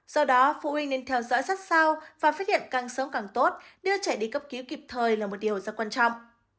do đó phụ huynh nên theo dõi sát sao và phát hiện càng sớm càng tốt đưa trẻ đi cấp cứu kịp thời là một điều rất quan trọng